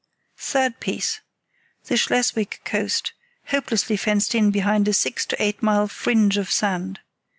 Third piece: the Schleswig coast, hopelessly fenced in behind a six to eight mile fringe of sand.